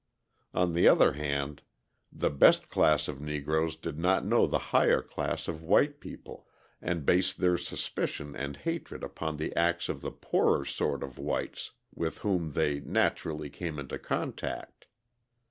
On the other hand, the best class of Negroes did not know the higher class of white people, and based their suspicion and hatred upon the acts of the poorer sort of whites with whom they naturally came into contact.